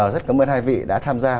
rất cảm ơn hai vị đã tham gia